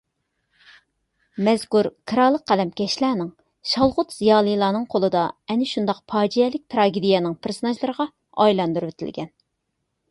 مەزكۇر كىرالىق قەلەمكەشلەرنىڭ، شالغۇت زىيالىيلارنىڭ قولىدا ئەنە شۇنداق پاجىئەلىك تىراگېدىيەنىڭ پېرسوناژلىرىغا ئايلاندۇرۇۋېتىلگەن.